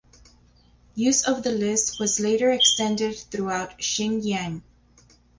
Use of the list was later extended throughout Xinjiang.